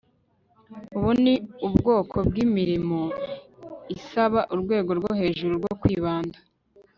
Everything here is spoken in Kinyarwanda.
ubu ni ubwoko bwimirimo isaba urwego rwo hejuru rwo kwibanda